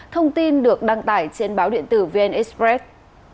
thông tin được đăng tải trên báo điện tử vn express